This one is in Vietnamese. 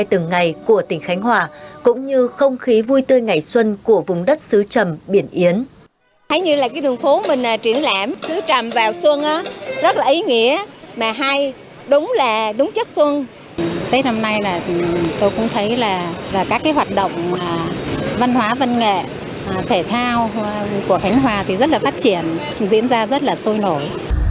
tôi cũng thấy là các cái hoạt động văn hóa văn nghệ thể thao của khánh hòa thì rất là phát triển diễn ra rất là sôi nổi